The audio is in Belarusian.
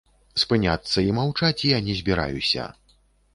Спыняцца і маўчаць я не збіраюся.